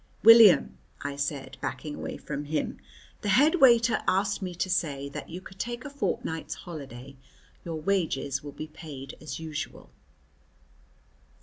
"William," I said, backing away from him, "the head waiter asked me to say that you could take a fortnight's holiday. Your wages will be paid as usual."